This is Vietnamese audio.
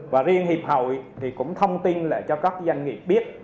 và riêng hiệp hội thì cũng thông tin lại cho các doanh nghiệp biết